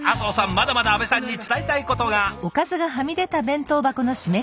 まだまだ阿部さんに伝えたいことが。